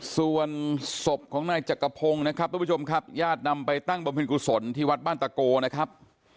ส่วนศพของนายจักรพงศ์นะครับทุกผู้ชมครับญาตินำไปตั้งบำเพ็ญกุศลที่วัดบ้านตะโกนะครับ